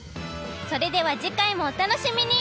それでは次回もお楽しみに！